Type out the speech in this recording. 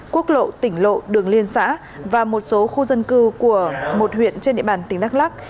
quốc lộ tỉnh lộ đường liên xã và một số khu dân cư của một huyện trên địa bàn tỉnh đắk lắc